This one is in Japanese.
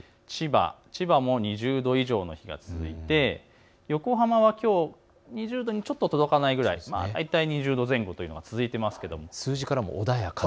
千葉も２０度以上の日が続いて横浜はきょう、２０度にちょっと届かないくらい、大体２０度前後というのが続いています。